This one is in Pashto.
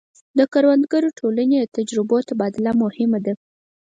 د کروندګرو ټولنې د تجربو تبادله مهمه ده.